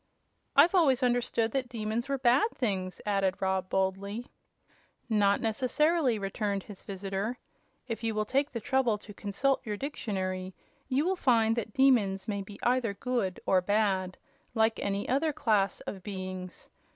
"I've always understood that demons were bad things," added Rob, boldly. "Not necessarily," returned his visitor. "If you will take the trouble to consult your dictionary, you will find that demons may be either good or bad, like any other class of beings.